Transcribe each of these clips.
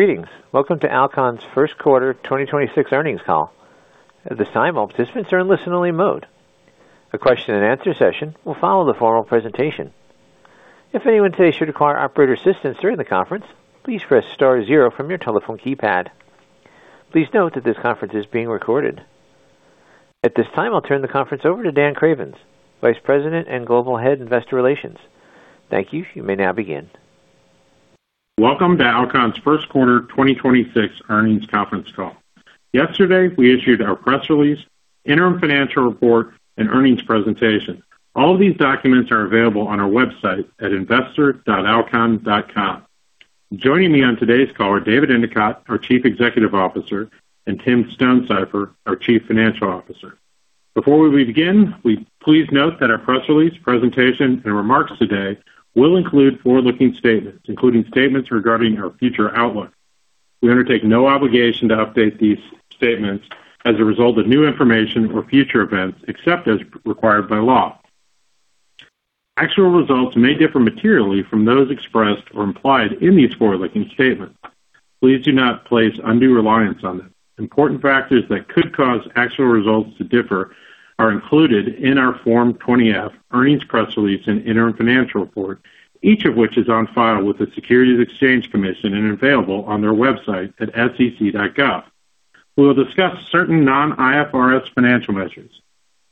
Greetings. Welcome to Alcon's First Quarter 2026 Earnings Call. At this time, all participants are in listen-only mode. A question and answer session will follow the formal presentation. If anyone today should require operator assistance during the conference, please press star zero from your telephone keypad. Please note that this conference is being recorded. At this time, I'll turn the conference over to Daniel Cravens, Vice President and Global Head, Investor Relations. Thank you. You may now begin. Welcome to Alcon's First Quarter 2026 Earnings Conference Call. Yesterday, we issued our press release, interim financial report, and earnings presentation. All of these documents are available on our website at investor.alcon.com. Joining me on today's call are David Endicott, our Chief Executive Officer, and Tim Stonesifer, our Chief Financial Officer. Before we begin, please note that our press release, presentation, and remarks today will include forward-looking statements, including statements regarding our future outlook. We undertake no obligation to update these statements as a result of new information or future events, except as required by law. Actual results may differ materially from those expressed or implied in these forward-looking statements. Please do not place undue reliance on them. Important factors that could cause actual results to differ are included in our Form 20-F, earnings press release, and interim financial report, each of which is on file with the Securities and Exchange Commission and available on their website at sec.gov. We will discuss certain non-IFRS financial measures.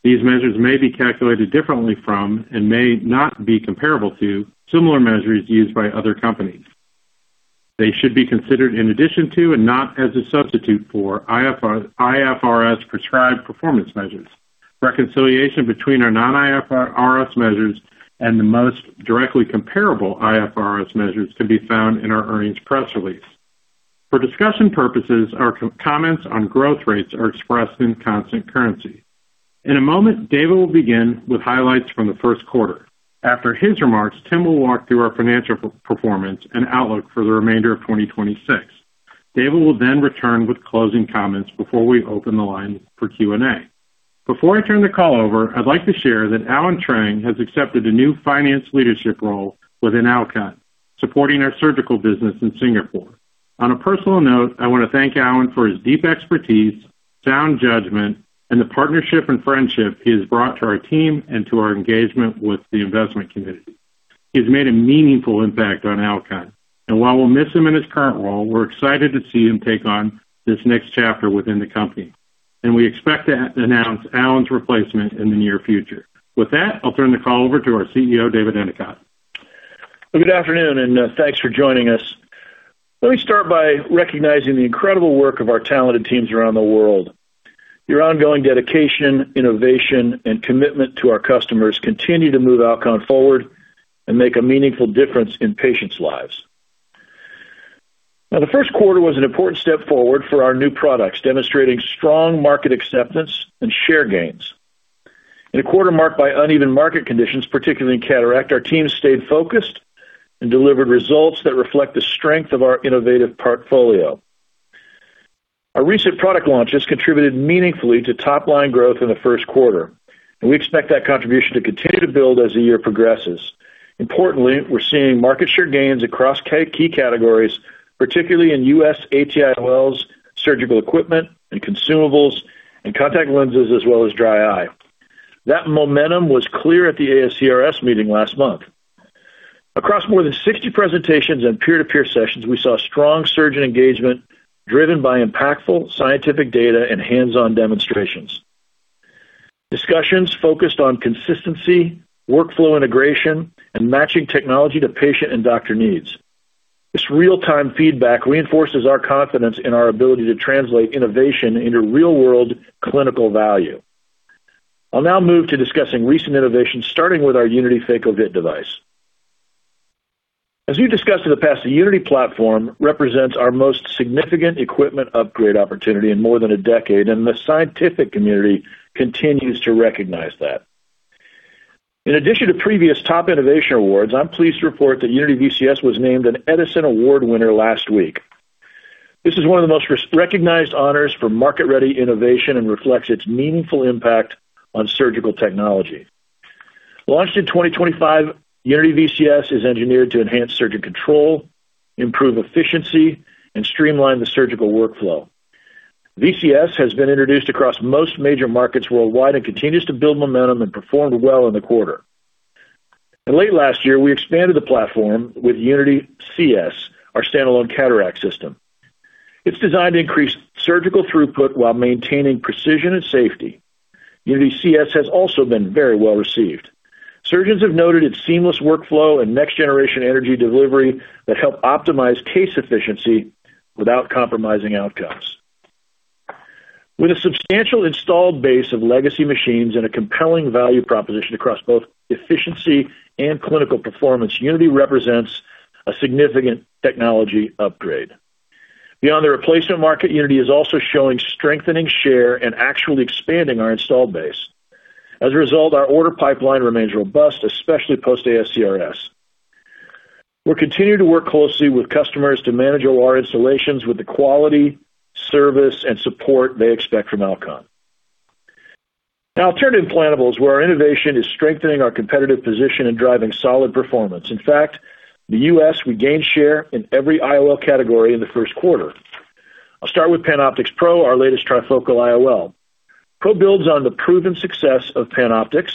These measures may be calculated differently from, and may not be comparable to, similar measures used by other companies. They should be considered in addition to, and not as a substitute for, IFRS prescribed performance measures. Reconciliation between our non-IFRS measures and the most directly comparable IFRS measures can be found in our earnings press release. For discussion purposes, our comments on growth rates are expressed in constant currency. In a moment, David will begin with highlights from the first quarter. After his remarks, Tim will walk through our financial performance and outlook for the remainder of 2026. David will then return with closing comments before we open the line for Q&A. Before I turn the call over, I'd like to share that Allen Trang has accepted a new finance leadership role within Alcon, supporting our surgical business in Singapore. On a personal note, I want to thank Allen for his deep expertise, sound judgment, and the partnership and friendship he has brought to our team and to our engagement with the investment community. He's made a meaningful impact on Alcon, and while we'll miss him in his current role, we're excited to see him take on this next chapter within the company. We expect to announce Allen's replacement in the near future. With that, I'll turn the call over to our CEO, David Endicott. Good afternoon. Thanks for joining us. Let me start by recognizing the incredible work of our talented teams around the world. Your ongoing dedication, innovation, and commitment to our customers continue to move Alcon forward and make a meaningful difference in patients' lives. The first quarter was an important step forward for our new products, demonstrating strong market acceptance and share gains. In a quarter marked by uneven market conditions, particularly in cataract, our team stayed focused and delivered results that reflect the strength of our innovative portfolio. Our recent product launches contributed meaningfully to top-line growth in the first quarter, and we expect that contribution to continue to build as the year progresses. Importantly, we're seeing market share gains across key categories, particularly in U.S. IOLs, surgical equipment and consumables, and contact lenses, as well as dry eye. That momentum was clear at the ASCRS meeting last month. Across more than 60 presentations and peer-to-peer sessions, we saw strong surgeon engagement driven by impactful scientific data and hands-on demonstrations. Discussions focused on consistency, workflow integration, and matching technology to patient and doctor needs. This real-time feedback reinforces our confidence in our ability to translate innovation into real-world clinical value. I'll now move to discussing recent innovations, starting with our UNITY Phaco Vit device. As we discussed in the past, the UNITY platform represents our most significant equipment upgrade opportunity in more than a decade, and the scientific community continues to recognize that. In addition to previous top innovation awards, I'm pleased to report that UNITY VCS was named an Edison Award winner last week. This is one of the most recognized honors for market-ready innovation and reflects its meaningful impact on surgical technology. Launched in 2025, UNITY VCS is engineered to enhance surgeon control, improve efficiency, and streamline the surgical workflow. VCS has been introduced across most major markets worldwide and continues to build momentum and performed well in the quarter. Late last year, we expanded the platform with UNITY CS, our standalone Cataract System. It's designed to increase surgical throughput while maintaining precision and safety. UNITY CS has also been very well-received. Surgeons have noted its seamless workflow and next-generation energy delivery that help optimize case efficiency without compromising outcomes. With a substantial installed base of legacy machines and a compelling value proposition across both efficiency and clinical performance, UNITY represents a significant technology upgrade. Beyond the replacement market, UNITY is also showing strengthening share and actually expanding our installed base. As a result, our order pipeline remains robust, especially post-ASCRS. We'll continue to work closely with customers to manage all our installations with the quality, service, and support they expect from Alcon. Now alternative implantables where our innovation is strengthening our competitive position and driving solid performance. In fact, in the U.S., we gained share in every IOL category in the first quarter. I'll start with PanOptix Pro, our latest trifocal IOL. Pro builds on the proven success of PanOptix,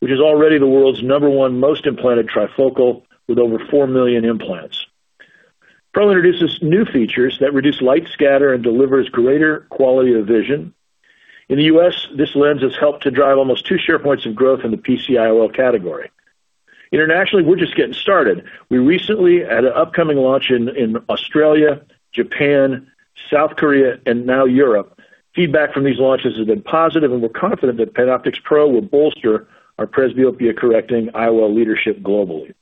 which is already the world's number one most implanted trifocal with over 4 million implants. Pro introduces new features that reduce light scatter and delivers greater quality of vision. In the U.S., this lens has helped to drive almost two share points of growth in the PC IOL category. Internationally, we're just getting started. We recently had an upcoming launch in Australia, Japan, South Korea, and now Europe. Feedback from these launches has been positive, and we're confident that PanOptix Pro will bolster our presbyopia-correcting IOL leadership globally.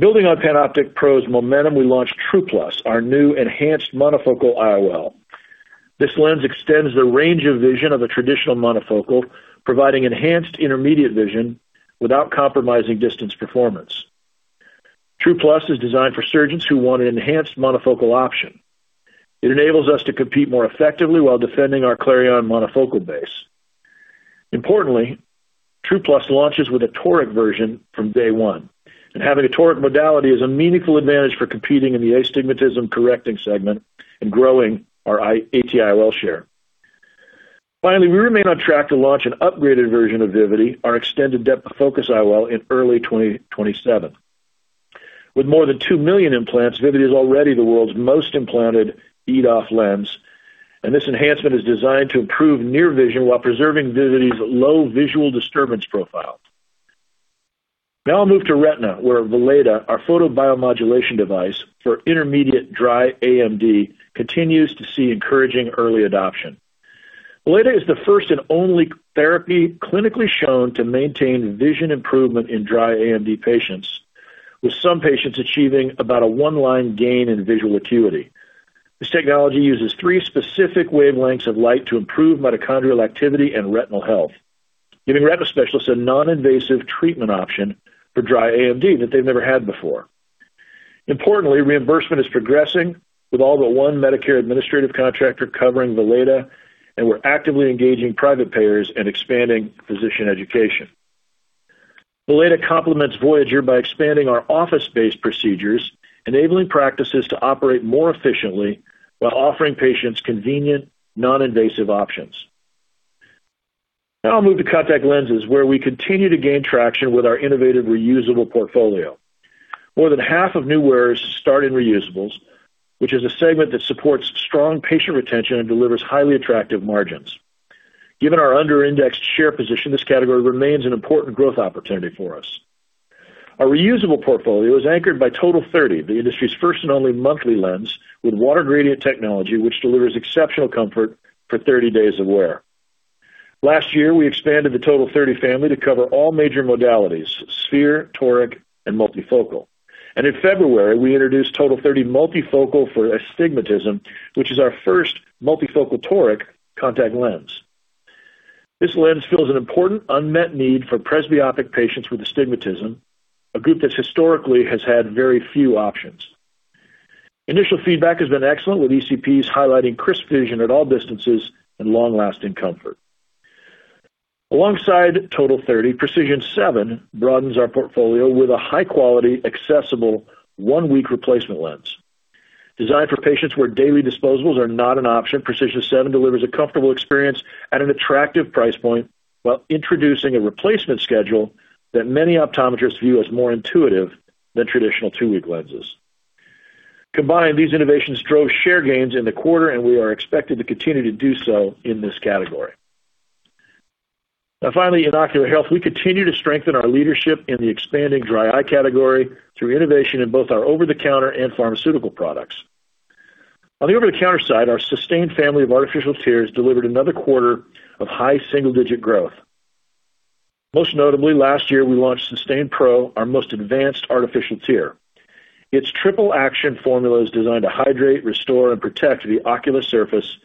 Building on PanOptix Pro's momentum, we launched TruPlus, our new enhanced monofocal IOL. This lens extends the range of vision of a traditional monofocal, providing enhanced intermediate vision without compromising distance performance. TruPlus is designed for surgeons who want an enhanced monofocal option. It enables us to compete more effectively while defending our Clareon Monofocal base. Importantly, TruPlus launches with a toric version from day one, and having a toric modality is a meaningful advantage for competing in the astigmatism correcting segment and growing our AT IOL share. Finally, we remain on track to launch an upgraded version of Vivity, our extended depth of focus IOL, in early 2027. With more than 2 million implants, Vivity is already the world's most implanted EDOF lens, and this enhancement is designed to improve near vision while preserving Vivity's low visual disturbance profile. Now I'll move to retina, where Valeda, our photobiomodulation device for intermediate dry AMD, continues to see encouraging early adoption. Valeda is the first and only therapy clinically shown to maintain vision improvement in dry AMD patients, with some patients achieving about a 1-line gain in visual acuity. This technology uses three specific wavelengths of light to improve mitochondrial activity and retinal health, giving retina specialists a non-invasive treatment option for dry AMD that they've never had before. Importantly, reimbursement is progressing with all but one Medicare administrative contractor covering Valeda, and we're actively engaging private payers and expanding physician education. Valeda complements Voyager by expanding our office-based procedures, enabling practices to operate more efficiently while offering patients convenient, non-invasive options. I'll move to contact lenses, where we continue to gain traction with our innovative reusable portfolio. More than half of new wearers start in reusables, which is a segment that supports strong patient retention and delivers highly attractive margins. Given our under-indexed share position, this category remains an important growth opportunity for us. Our reusable portfolio is anchored by TOTAL30, the industry's first and only monthly lens with Water Gradient Technology, which delivers exceptional comfort for 30 days of wear. Last year, we expanded the TOTAL30 family to cover all major modalities, sphere, toric, and multifocal. In February, we introduced TOTAL30 Multifocal for Astigmatism, which is our first multifocal toric contact lens. This lens fills an important unmet need for presbyopic patients with astigmatism, a group that historically has had very few options. Initial feedback has been excellent, with ECPs highlighting crisp vision at all distances and long-lasting comfort. Alongside TOTAL30, PRECISION7 broadens our portfolio with a high-quality, accessible one week replacement lens. Designed for patients where daily disposables are not an option, PRECISION7 delivers a comfortable experience at an attractive price point while introducing a replacement schedule that many optometrists view as more intuitive than traditional two week lenses. Combined, these innovations drove share gains in the quarter, and we are expected to continue to do so in this category. Finally, in ocular health, we continue to strengthen our leadership in the expanding dry eye category through innovation in both our over-the-counter and pharmaceutical products. On the over-the-counter side, our SYSTANE family of artificial tears delivered another quarter of high single-digit growth. Most notably, last year, we launched SYSTANE PRO, our most advanced artificial tear. Its triple-action formula is designed to hydrate, restore, and protect the ocular surface,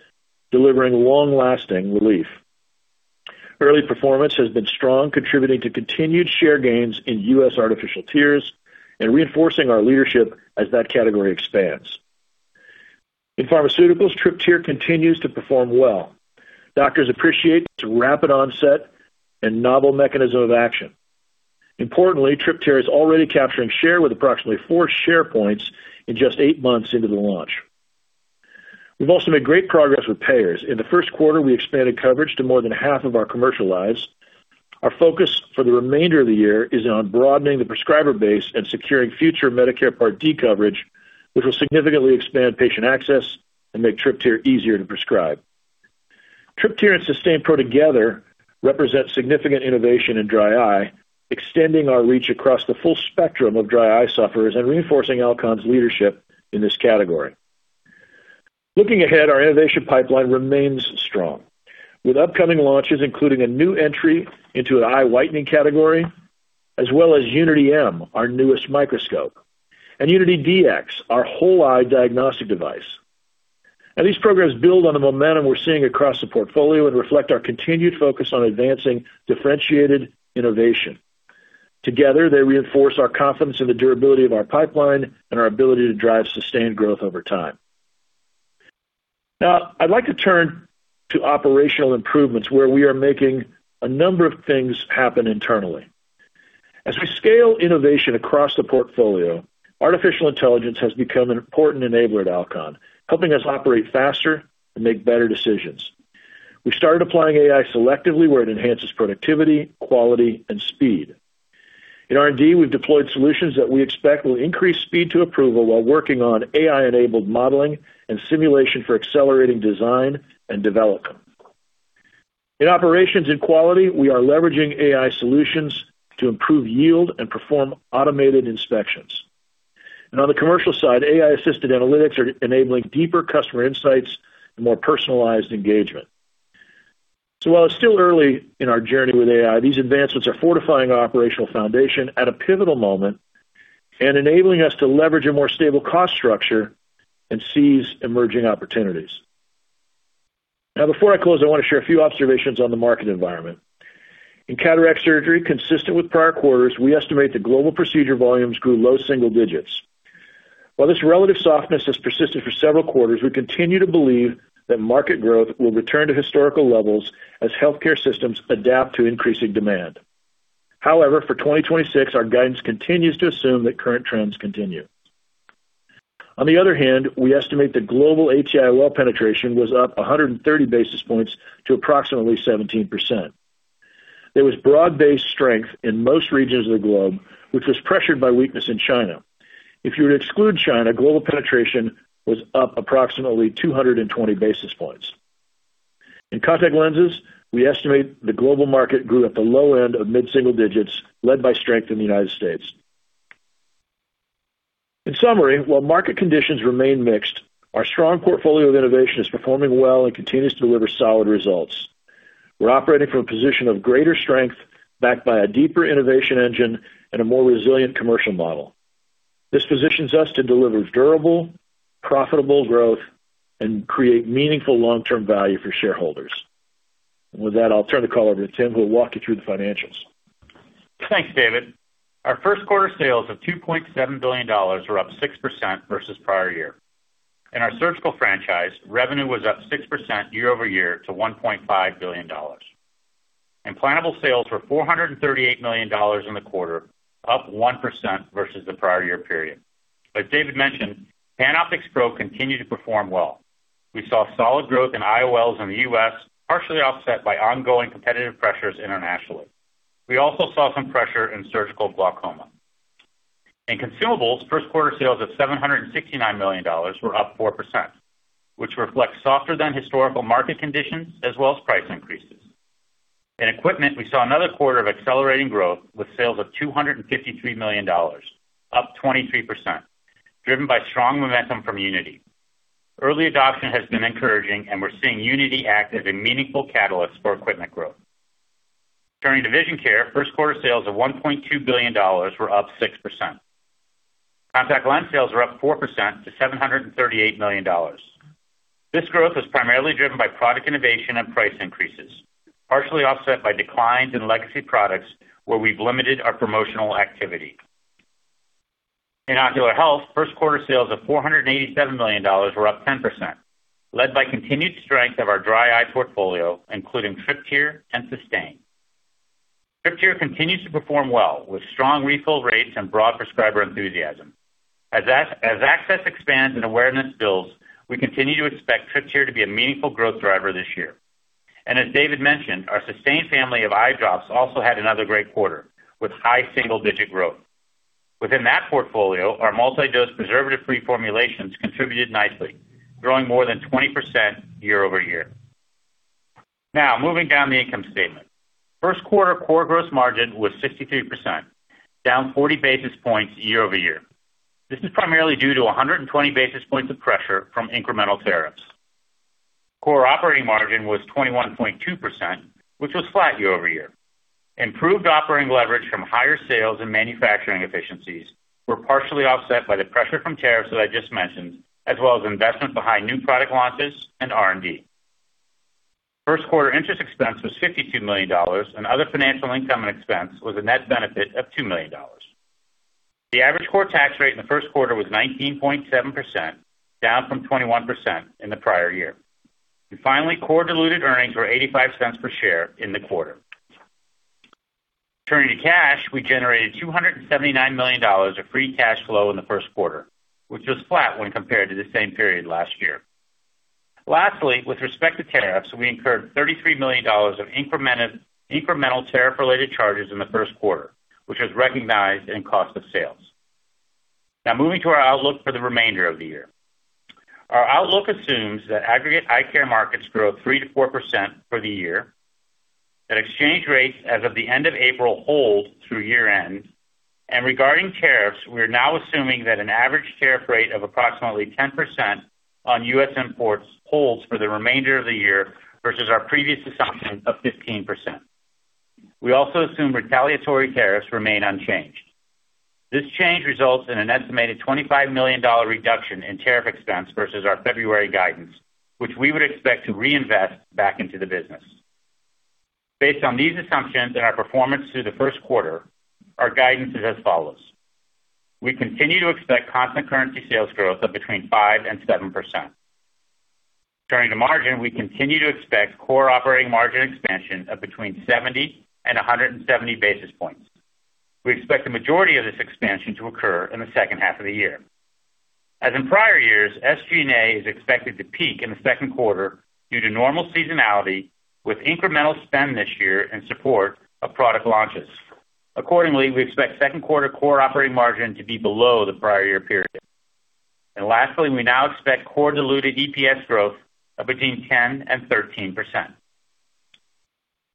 delivering long-lasting relief. Early performance has been strong, contributing to continued share gains in U.S. artificial tears and reinforcing our leadership as that category expands. In pharmaceuticals, TRYPTYR continues to perform well. Doctors appreciate its rapid onset and novel mechanism of action. Importantly, TRYPTYR is already capturing share with approximately four share points in just eight months into the launch. We've also made great progress with payers. In the first quarter, we expanded coverage to more than half of our commercial lives. Our focus for the remainder of the year is on broadening the prescriber base and securing future Medicare Part D coverage, which will significantly expand patient access and make TRYPTYR easier to prescribe. TRYPTYR and SYSTANE PRO together represent significant innovation in dry eye, extending our reach across the full spectrum of dry eye sufferers and reinforcing Alcon's leadership in this category. Looking ahead, our innovation pipeline remains strong, with upcoming launches including a new entry into an eye whitening category, as well as UNITY M, our newest microscope, and UNITY Dx, our whole eye diagnostic device. Now these programs build on the momentum we're seeing across the portfolio and reflect our continued focus on advancing differentiated innovation. Together, they reinforce our confidence in the durability of our pipeline and our ability to drive sustained growth over time. Now I'd like to turn to operational improvements where we are making a number of things happen internally. As we scale innovation across the portfolio, artificial intelligence has become an important enabler at Alcon, helping us operate faster and make better decisions. We started applying AI selectively where it enhances productivity, quality and speed. In R&D, we've deployed solutions that we expect will increase speed to approval while working on AI-enabled modeling and simulation for accelerating design and development. In operations and quality, we are leveraging AI solutions to improve yield and perform automated inspections. On the commercial side, AI-assisted analytics are enabling deeper customer insights and more personalized engagement. While it's still early in our journey with AI, these advancements are fortifying our operational foundation at a pivotal moment and enabling us to leverage a more stable cost structure and seize emerging opportunities. Before I close, I want to share a few observations on the market environment. In cataract surgery, consistent with prior quarters, we estimate the global procedure volumes grew low single digits. While this relative softness has persisted for several quarters, we continue to believe that market growth will return to historical levels as healthcare systems adapt to increasing demand. However, for 2026, our guidance continues to assume that current trends continue. On the other hand, we estimate the global AT IOL penetration was up 130 basis points to approximately 17%. There was broad-based strength in most regions of the globe, which was pressured by weakness in China. If you were to exclude China, global penetration was up approximately 220 basis points. In contact lenses, we estimate the global market grew at the low end of mid-single digits, led by strength in the United States. In summary, while market conditions remain mixed, our strong portfolio of innovation is performing well and continues to deliver solid results. We're operating from a position of greater strength backed by a deeper innovation engine and a more resilient commercial model. This positions us to deliver durable, profitable growth and create meaningful long-term value for shareholders. With that, I'll turn the call over to Tim, who will walk you through the financials. Thanks, David. Our first quarter sales of $2.7 billion were up 6% versus prior year. In our surgical franchise, revenue was up 6% year-over-year to $1.5 billion. Implantable sales were $438 million in the quarter, up 1% versus the prior year period. As David mentioned, PanOptix Pro continued to perform well. We saw solid growth in IOLs in the U.S., partially offset by ongoing competitive pressures internationally. We also saw some pressure in surgical glaucoma. In consumables, first quarter sales of $769 million were up 4%, which reflects softer than historical market conditions as well as price increases. In equipment, we saw another quarter of accelerating growth with sales of $253 million, up 23%, driven by strong momentum from UNITY. Early adoption has been encouraging. We're seeing UNITY act as a meaningful catalyst for equipment growth. Turning to vision care, first quarter sales of $1.2 billion were up 6%. Contact lens sales were up 4% to $738 million. This growth was primarily driven by product innovation and price increases, partially offset by declines in legacy products where we've limited our promotional activity. In ocular health, first quarter sales of $487 million were up 10%, led by continued strength of our dry eye portfolio, including TRYPTYR and SYSTANE. TRYPTYR continues to perform well with strong refill rates and broad prescriber enthusiasm. As access expands and awareness builds, we continue to expect TRYPTYR to be a meaningful growth driver this year. As David mentioned, our SYSTANE family of eye drops also had another great quarter with high single-digit growth. Within that portfolio, our multi-dose preservative-free formulations contributed nicely, growing more than 20% year-over-year. Moving down the income statement. First quarter core gross margin was 63%, down 40 basis points year-over-year. This is primarily due to 120 basis points of pressure from incremental tariffs. Core operating margin was 21.2%, which was flat year-over-year. Improved operating leverage from higher sales and manufacturing efficiencies were partially offset by the pressure from tariffs that I just mentioned, as well as investment behind new product launches and R&D. First quarter interest expense was $52 million, and other financial income and expense was a net benefit of $2 million. The average core tax rate in the first quarter was 19.7%, down from 21% in the prior year. Finally, core diluted earnings were $0.85 per share in the quarter. Turning to cash, we generated $279 million of free cash flow in the first quarter, which was flat when compared to the same period last year. Lastly, with respect to tariffs, we incurred $33 million of incremental tariff-related charges in the first quarter, which was recognized in cost of sales. Moving to our outlook for the remainder of the year. Our outlook assumes that aggregate eye care markets grow 3% to 4% for the year, that exchange rates as of the end of April hold through year-end, and regarding tariffs, we are now assuming that an average tariff rate of approximately 10% on U.S. imports holds for the remainder of the year versus our previous assumption of 15%. We also assume retaliatory tariffs remain unchanged. This change results in an estimated $25 million reduction in tariff expense versus our February guidance, which we would expect to reinvest back into the business. Based on these assumptions and our performance through the first quarter, our guidance is as follows. We continue to expect constant currency sales growth of between 5% and 7%. Turning to margin, we continue to expect core operating margin expansion of between 70 and 170 basis points. We expect the majority of this expansion to occur in the second half of the year. As in prior years, SG&A is expected to peak in the second quarter due to normal seasonality with incremental spend this year in support of product launches. Accordingly, we expect second quarter core operating margin to be below the prior year period. Lastly, we now expect core diluted EPS growth of between 10% and 13%.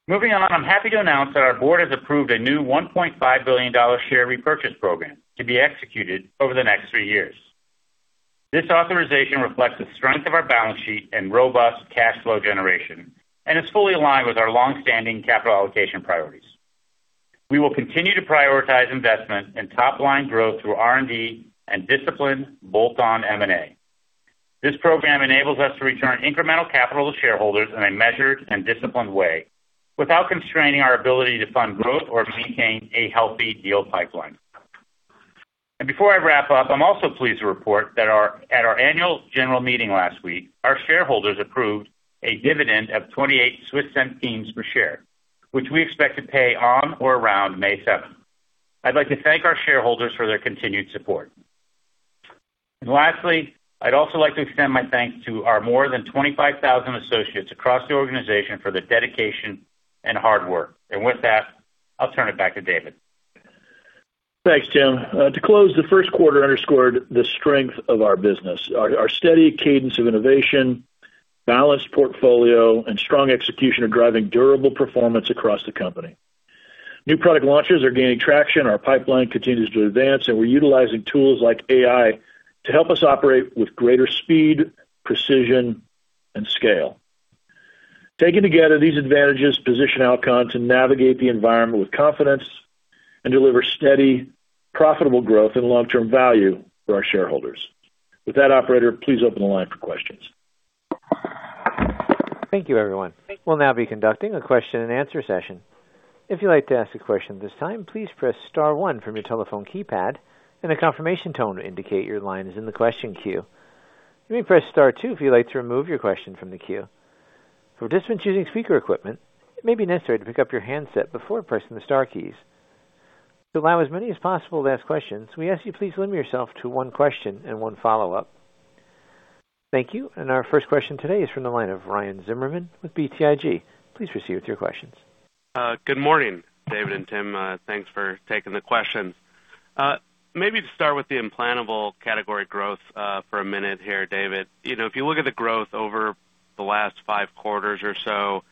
Moving on, I'm happy to announce that our board has approved a new $1.5 billion share repurchase program to be executed over the next three years. This authorization reflects the strength of our balance sheet and robust cash flow generation and is fully aligned with our long-standing capital allocation priorities. We will continue to prioritize investment and top-line growth through R&D and disciplined bolt-on M&A. This program enables us to return incremental capital to shareholders in a measured and disciplined way without constraining our ability to fund growth or maintain a healthy deal pipeline. Before I wrap up, I'm also pleased to report that at our annual general meeting last week, our shareholders approved a dividend of 0.28 per share, which we expect to pay on or around May 7th. I'd like to thank our shareholders for their continued support. Lastly, I'd also like to extend my thanks to our more than 25,000 associates across the organization for their dedication and hard work. With that, I'll turn it back to David. Thanks, Tim. To close, the first quarter underscored the strength of our business. Our steady cadence of innovation, balanced portfolio, and strong execution are driving durable performance across the company. New product launches are gaining traction, our pipeline continues to advance, and we're utilizing tools like AI to help us operate with greater speed, precision, and scale. Taken together, these advantages position Alcon to navigate the environment with confidence and deliver steady, profitable growth and long-term value for our shareholders. With that, operator, please open the line for questions. Thank you, everyone. We'll now be conducting a question-and-answer session. If you'd like to ask a question at this time, please press star one from your telephone keypad and a confirmation tone to indicate your line is in the question queue. You may press star two if you'd like to remove your question from the queue. For participants using speaker equipment, it may be necessary to pick up your handset before pressing the star keys. To allow as many as possible to ask questions, we ask you please limit yourself to one question and one follow-up. Thank you. Our first question today is from the line of Ryan Zimmerman with BTIG. Please proceed with your questions. Good morning, David and Tim. Thanks for taking the questions. Maybe to start with the implantable category growth, for a minute here, David. You know, if you look at the growth over the last five quarters or so,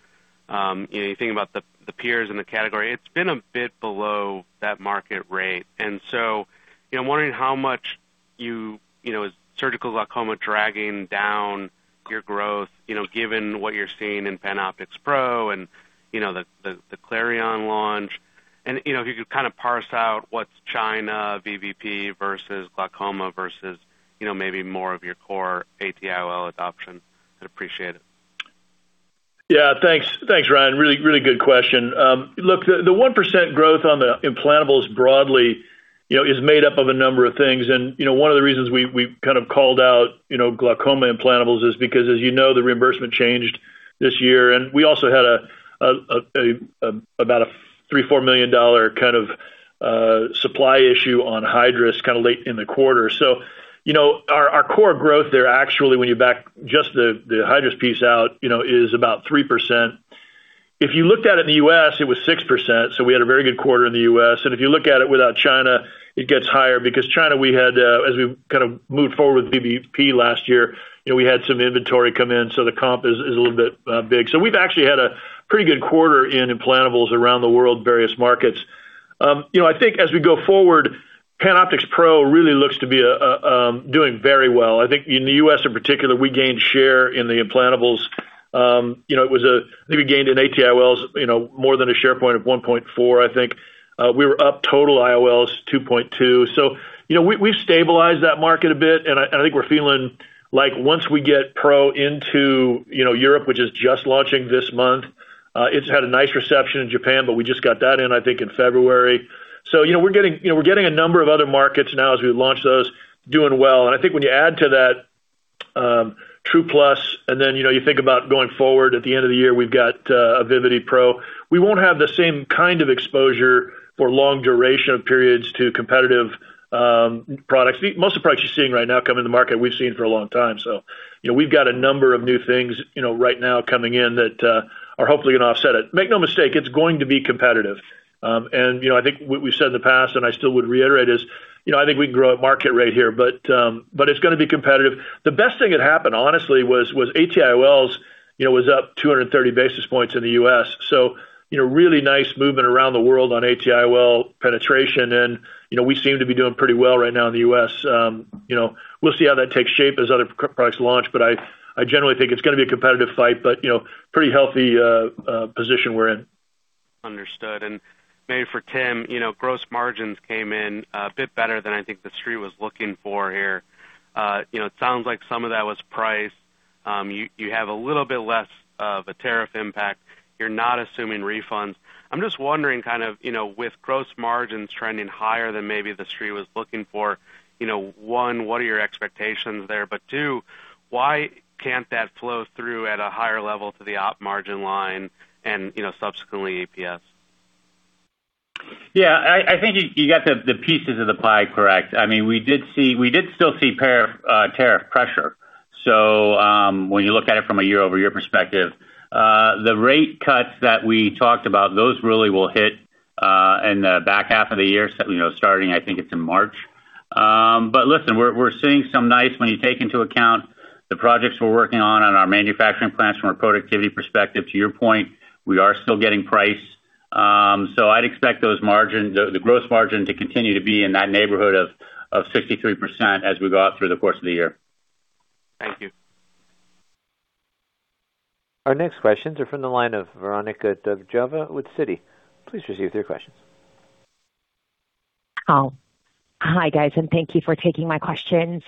you know, you think about the peers in the category, it's been a bit below that market rate. And so, I'm wondering, you know, how much you know, is surgical glaucoma dragging down your growth, you know, given what you're seeing in PanOptix Pro and, you know, the, the Clareon launch. If you could kind of parse out, you know, what's China VBP versus glaucoma versus, you know, maybe more of your core AT IOL adoption, I'd appreciate it. Yeah. Thanks. Thanks, Ryan. Really, really good question. Look, the 1% growth on the implantables broadly, you know, is made up of a number of things. You know, one of the reasons we kind of called out, you know, glaucoma implantables is because, as you know, the reimbursement changed this year. We also had about a $3 million-$4 million kind of supply issue on Hydrus kind of late in the quarter. You know, our core growth there actually, when you back just the Hydrus piece out, you know, is about 3%. If you looked at it in the U.S., it was 6%. We had a very good quarter in the U.S. If you look at it without China, it gets higher because China, we had, as we kind of moved forward with VBP last year, you know, we had some inventory come in, so the comp is a little bit big. We've actually had a pretty good quarter in implantables around the world, various markets. You know, I think as we go forward, PanOptix Pro really looks to be doing very well. I think in the U.S. in particular, we gained share in the implantables. You know, I think we gained in AT IOLs, you know, more than a share point of 1.4, I think. We were up total IOLs 2.2. You know, we've stabilized that market a bit, and I think we're feeling like once we get PRO into, you know, Europe, which is just launching this month, it's had a nice reception in Japan, we just got that in, I think, in February. You know, we're getting a number of other markets now as we launch those, doing well. I think when you add to that, TruPlus, you know, you think about going forward at the end of the year, we've got Vivity Pro. We won't have the same kind of exposure for long duration of periods to competitive products. Most of the products you're seeing right now come in the market we've seen for a long time. You know, we've got a number of new things, you know, right now coming in that are hopefully gonna offset it. Make no mistake, it's going to be competitive. You know, I think we've said in the past, and I still would reiterate is, you know, I think we can grow at market rate here, but it's gonna be competitive. The best thing that happened, honestly, was AT IOLs, you know, was up 230 basis points in the U.S. So you know, really nice movement around the world on AT IOL penetration and, you know, we seem to be doing pretty well right now in the U.S., you know, we'll see how that takes shape as other products launch, but I generally think it's gonna be a competitive fight, but, you know, pretty healthy position we're in. Understood. Maybe for Tim, you know, gross margins came in a bit better than I think the street was looking for here. You know, it sounds like some of that was priced. You have a little bit less of a tariff impact. You're not assuming refunds. I'm just wondering kind of, you know, with gross margins trending higher than maybe the street was looking for, you know, one, what are your expectations there? Two, why can't that flow through at a higher level to the op margin line and, you know, subsequently EPS? Yeah, I think you got the pieces of the pie correct. I mean, we did still see payer, tariff pressure. When you look at it from a year-over-year perspective, the rate cuts that we talked about, those really will hit in the back half of the year, you know, starting, I think it's in March. Listen, we're seeing some nice when you take into account the projects we're working on on our manufacturing plants from a productivity perspective. To your point, we are still getting priced. I'd expect the gross margin to continue to be in that neighborhood of 63% as we go out through the course of the year. Thank you. Our next questions are from the line of Veronika Dubajova with Citi. Please proceed with your questions. Hi, guys, thank you for taking my questions.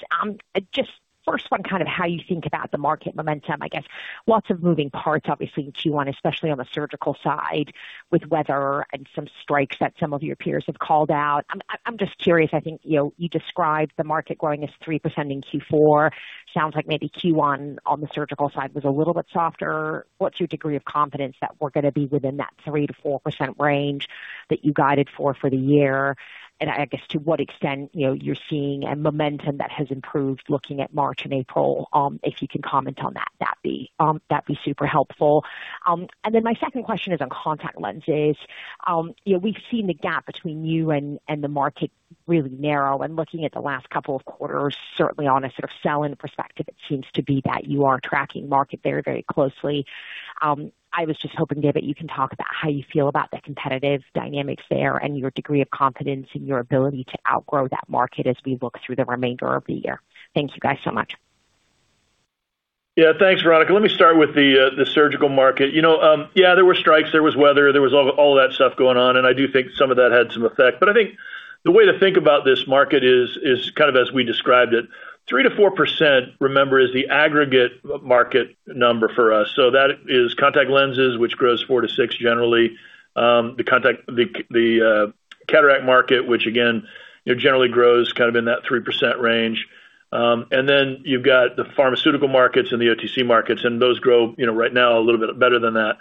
Just first one, kind of how you think about the market momentum. I guess lots of moving parts, obviously, in Q1, especially on the surgical side, with weather and some strikes that some of your peers have called out. I'm just curious, I think, you know, you described the market growing as 3% in Q4. Sounds like maybe Q1 on the surgical side was a little bit softer. What's your degree of confidence that we're gonna be within that 3% to 4% range that you guided for for the year? I guess to what extent, you know, you're seeing a momentum that has improved looking at March and April. If you can comment on that'd be super helpful. My second question is on contact lenses. You know, we've seen the gap between you and the market really narrow. Looking at the last couple of quarters, certainly on a sort of sell-in perspective, it seems to be that you are tracking market very, very closely. I was just hoping, David, you can talk about how you feel about the competitive dynamics there and your degree of confidence in your ability to outgrow that market as we look through the remainder of the year. Thank you guys so much. Thanks, Veronika. Let me start with the surgical market. You know, there were strikes, there was weather, there was all that stuff going on. I do think some of that had some effect. I think the way to think about this market is kind of as we described it, 3% to 4%, remember, is the aggregate market number for us. That is contact lenses, which grows 4% to 6% generally. The cataract market, which again, you know, generally grows kind of in that 3% range. You've got the pharmaceutical markets and the OTC markets. Those grow, you know, right now a little bit better than that.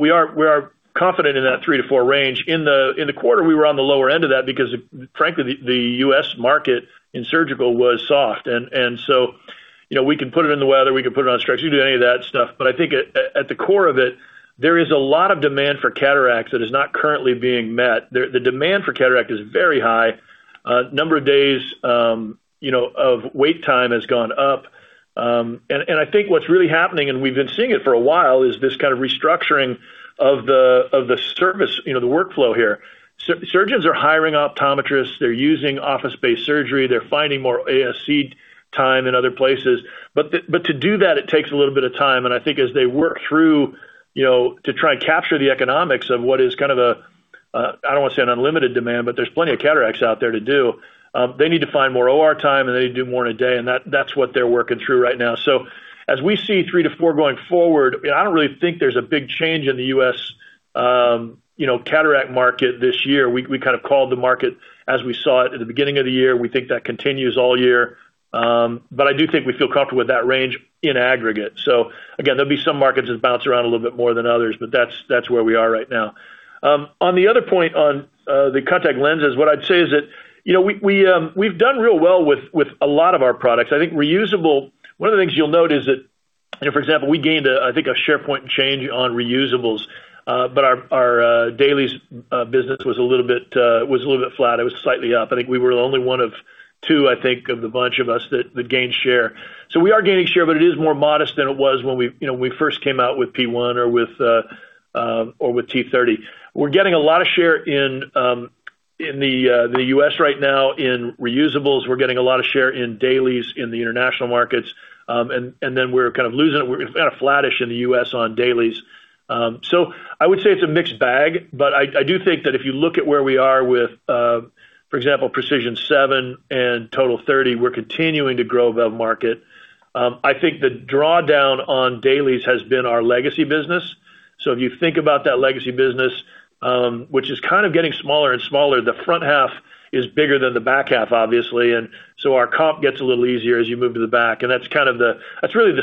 We are confident in that 3% to 4% range. In the quarter, we were on the lower end of that because frankly, the U.S. market in surgical was soft. You know, we can put it in the weather, we can put it on strikes. You can do any of that stuff. I think at the core of it, there is a lot of demand for cataracts that is not currently being met. The demand for cataract is very high. Number of days, you know, of wait time has gone up. I think what's really happening, and we've been seeing it for a while, is this kind of restructuring of the service, you know, the workflow here. Surgeons are hiring optometrists. They're using office-based surgery. They're finding more ASC time in other places. To do that, it takes a little bit of time. I think as they work through, you know, to try and capture the economics of what is kind of a, I don't wanna say an unlimited demand, but there's plenty of cataracts out there to do. They need to find more OR time, and they need to do more in a day. That's what they're working through right now. As we see 3% to 4% going forward, I don't really think there's a big change in the U.S., you know, cataract market this year. We kind of called the market as we saw it at the beginning of the year. We think that continues all year. I do think we feel comfortable with that range in aggregate. Again, there'll be some markets that bounce around a little bit more than others, that's where we are right now. On the other point on the contact lenses, what I'd say is that, you know, we've done real well with a lot of our products. I think one of the things you'll note is that, you know, for example, we gained a, I think, a share point change on reusables. But, our dailies business was a little bit flat. It was slightly up. I think we were only one of two, I think, of the bunch of us that gained share. We are gaining share, but it is more modest than it was when we, you know, when we first came out with P1 or with T30. We're getting a lot of share in the U.S. right now in reusables. We're getting a lot of share in dailies in the international markets. We're kind of losing it. We're kind of flattish in the U.S. on dailies. I would say it's a mixed bag, but I do think that if you look at where we are with, for example, PRECISION7 and TOTAL30, we're continuing to grow that market. I think the drawdown on dailies has been our legacy business. If you think about that legacy business, which is kind of getting smaller and smaller, the front half is bigger than the back half, obviously. Our comp gets a little easier as you move to the back. That's kind of the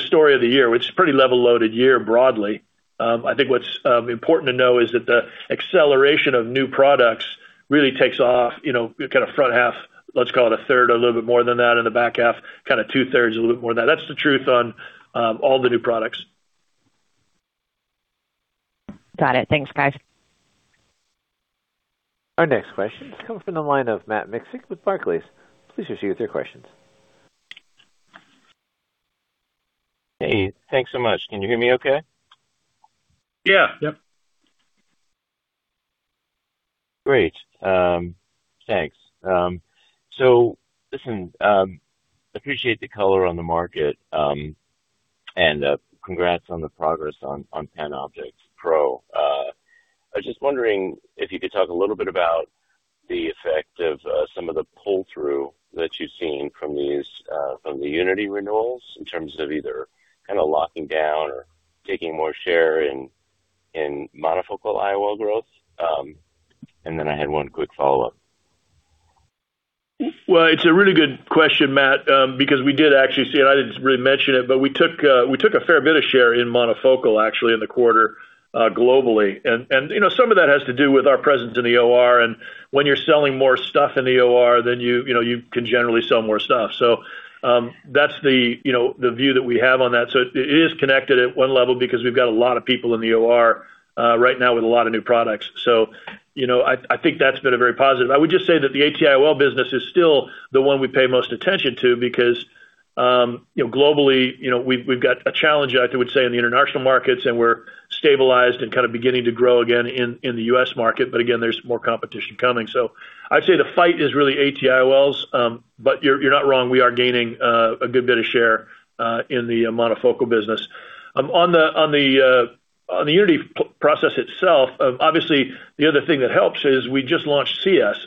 story of the year. It's a pretty level-loaded year broadly. I think what's important to know is that the acceleration of new products really takes off, you know, kind of front half, let's call it a third, a little bit more than that in the back half, kind of 2/3, a little bit more than that. That's the truth on all the new products. Got it. Thanks, guys. Our next question is coming from the line of Matt Miksic with Barclays. Please proceed with your questions. Hey, thanks so much. Can you hear me okay? Yeah. Yep. Great. Thanks. Listen, appreciate the color on the market, congrats on the progress on PanOptix Pro. I was just wondering if you could talk a little bit about the effect of some of the pull-through that you've seen from these from the UNITY renewals in terms of either kinda locking down or taking more share in monofocal IOL growth. I had one quick follow-up. Well, it's a really good question, Matt, because we did actually see it. I didn't really mention it, we took a fair bit of share in monofocal, actually, in the quarter, globally. You know, some of that has to do with our presence in the OR. When you're selling more stuff in the OR, then you know, you can generally sell more stuff. That's the, you know, the view that we have on that. It is connected at one level because we've got a lot of people in the OR right now with a lot of new products. You know, I think that's been a very positive. I would just say that the AT IOL business is still the one we pay most attention to because, you know, globally, you know, we've got a challenge, I think we'd say, in the international markets, and we're stabilized and kind of beginning to grow again in the U.S. market. Again, there's more competition coming. I'd say the fight is really AT IOL's. But, you're not wrong. We are gaining a good bit of share in the monofocal business. On the UNITY process itself, the other thing that helps is we just launched CS.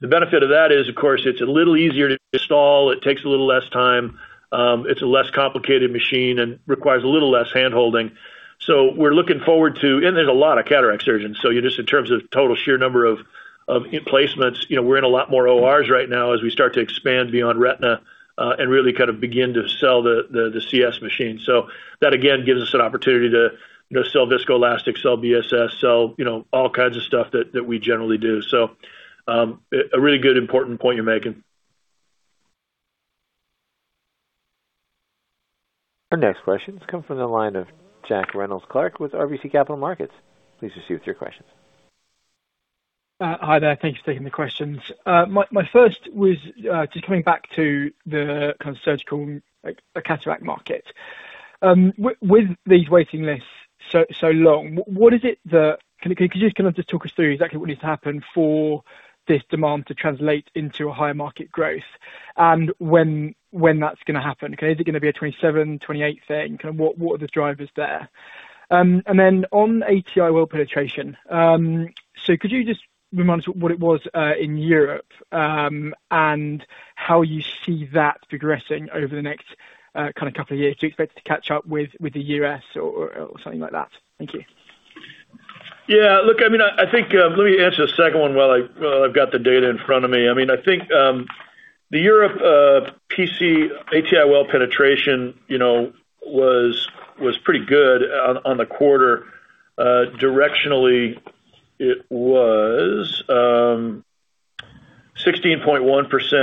The benefit of that is, of course, it's a little easier to install. It takes a little less time. It's a less complicated machine and requires a little less hand-holding. So, were looking forward to, you know there's a lot of cataract surgeons, so you just in terms of total sheer number of in-placements, you know, we're in a lot more OR's right now as we start to expand beyond retina, and really kind of begin to sell the CS machine. That again, gives us an opportunity to, you know, sell viscoelastic, sell BSS, sell, you know, all kinds of stuff that we generally do. A really good important point you're making. Our next question comes from the line of Jack Reynolds-Clark with RBC Capital Markets. Please proceed with your questions. Hi there. Thank you for taking the questions. My first was just coming back to the kind of surgical, like, the cataract market. With these waiting lists so long, what is it that, can you just kind of talk us through exactly what needs to happen for this demand to translate into a higher market growth and when that's gonna happen? Okay. Is it gonna be a 2027, 2028 thing? Kind of what are the drivers there? On AT IOL penetration, could you just remind us what it was in Europe and how you see that progressing over the next kind of couple of years? Do you expect it to catch up with the U.S. or something like that? Thank you. Yeah, look, I mean, I think, let me answer the second one while I've got the data in front of me. I mean, I think, the Europe, PC AT IOL penetration, you know, was pretty good on the quarter. Directionally, it was 16.1%,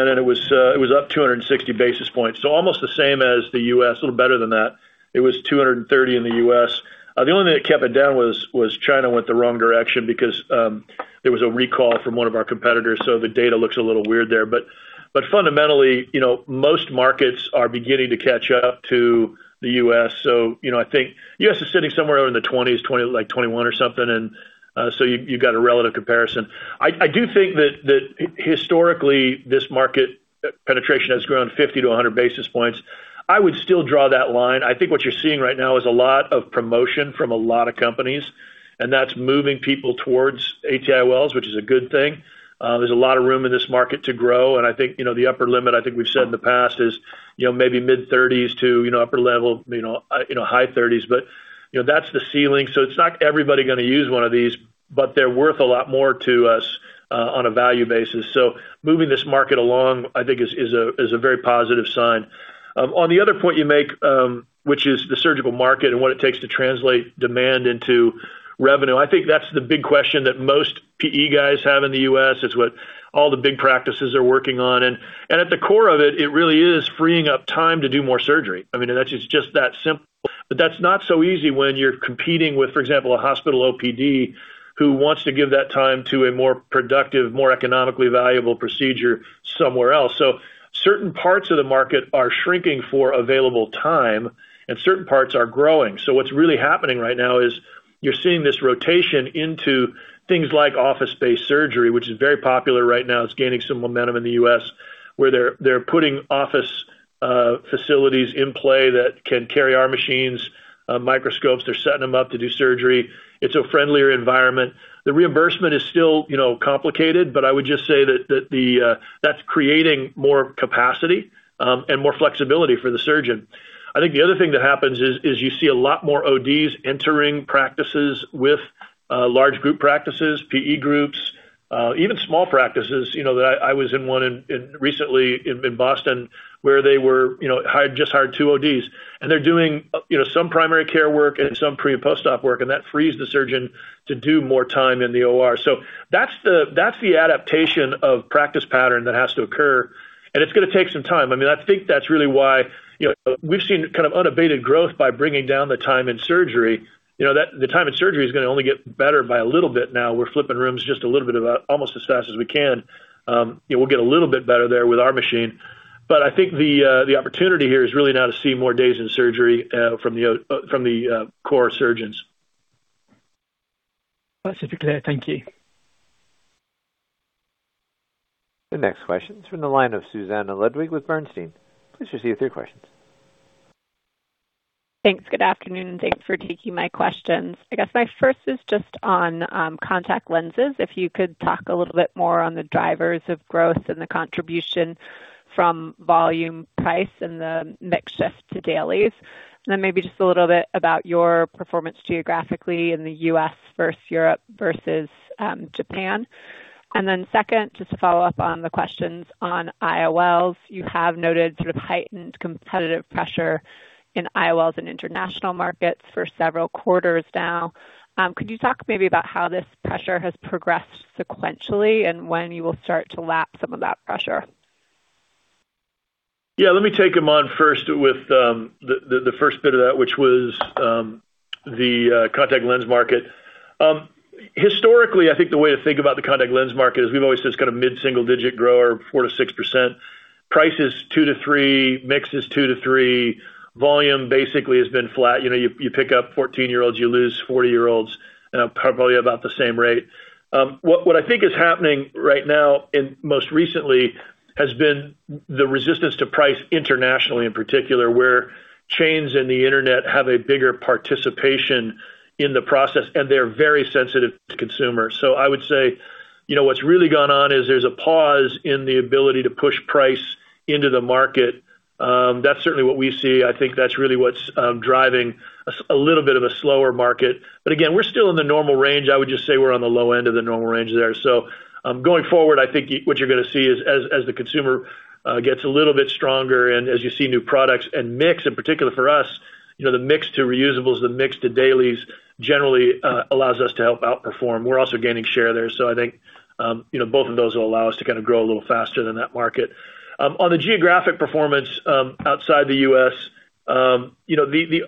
and it was up 260 basis points. Almost the same as the U.S., a little better than that. It was 230 in the U.S. The only thing that kept it down was China went the wrong direction because there was a recall from one of our competitors. The data looks a little weird there. Fundamentally, you know, most markets are beginning to catch up to the U.S. I think U.S. is sitting somewhere in the 20s, 20, like 21 or something. You've got a relative comparison. I do think that historically, this market penetration has grown 50 to 100 basis points. I would still draw that line. I think what you're seeing right now is a lot of promotion from a lot of companies, and that's moving people towards AT IOLs, which is a good thing. There's a lot of room in this market to grow, and I think, you know, the upper limit, I think we've said in the past is, you know, maybe mid-30s to, you know, upper level, you know, high 30s. That's the ceiling. It's not everybody gonna use one of these, but they're worth a lot more to us on a value basis. Moving this market along, I think is a very positive sign. On the other point you make, which is the surgical market and what it takes to translate demand into revenue, I think that's the big question that most PE guys have in the U.S. It's what all the big practices are working on. At the core of it really is freeing up time to do more surgery. That's just that simple. That's not so easy when you're competing with, for example, a hospital OPD who wants to give that time to a more productive, more economically valuable procedure somewhere else. Certain parts of the market are shrinking for available time and certain parts are growing. What's really happening right now is you're seeing this rotation into things like office-based surgery, which is very popular right now. It's gaining some momentum in the U.S., where they're putting office facilities in play that can carry our machines, microscopes. They're setting them up to do surgery. It's a friendlier environment. The reimbursement is still, you know, complicated, but I would just say that's creating more capacity and more flexibility for the surgeon. I think the other thing that happens is you see a lot more ODs entering practices with large group practices, PE groups, even small practices. You know, that I was in one in recently in Boston, where they were, you know, hired, just hired two ODs, and they're doing, you know, some primary care work and some pre and post-op work, and that frees the surgeon to do more time in the OR. That's the adaptation of practice pattern that has to occur, and it's gonna take some time. I mean, I think that's really why, you know, we've seen kind of unabated growth by bringing down the time in surgery. You know, the time in surgery is gonna only get better by a little bit now. We're flipping rooms just a little bit about almost as fast as we can. It will get a little bit better there with our machine. I think the opportunity here is really now to see more days in surgery, from the core surgeons. That's super clear. Thank you. The next question's from the line of Susannah Ludwig with Bernstein. Please proceed with your questions. Thanks. Good afternoon, and thanks for taking my questions. I guess my first is just on contact lenses. If you could talk a little bit more on the drivers of growth and the contribution from volume price and the mix shift to dailies. Maybe just a little bit about your performance geographically in the U.S. versus Europe versus Japan. Second, just to follow up on the questions on IOLs, you have noted sort of heightened competitive pressure in IOLs in international markets for several quarters now. Could you talk maybe about how this pressure has progressed sequentially and when you will start to lap some of that pressure? Let me take them on first with the first bit of that, which was the contact lens market. Historically, I think the way to think about the contact lens market is we've always just got a mid-single-digit grower, 4% to 6%. Price is two to three, mix is two to three. Volume basically has been flat. You know, you pick up 14-year-olds, you lose 40-year-olds in probably about the same rate. What I think is happening right now, and most recently, has been the resistance to price internationally, in particular, where chains and the internet have a bigger participation in the process, and they're very sensitive to consumers. I would say, you know, what's really gone on is there's a pause in the ability to push price into the market. That's certainly what we see. I think that's really what's driving a little bit of a slower market. Again, we're still in the normal range. I would just say we're on the low end of the normal range there. Going forward, I think what you're gonna see is as the consumer gets a little bit stronger and as you see new products and mix in particular for us, you know, the mix to reusables, the mix to dailies generally allows us to help outperform. We're also gaining share there. I think, you know, both of those will allow us to kind of grow a little faster than that market. On the geographic performance, outside the U.S., you know, the